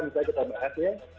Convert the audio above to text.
misalnya kita bahas ya